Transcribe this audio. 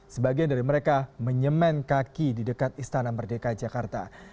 sebagian dari mereka menyemen kaki di dekat istana merdeka jakarta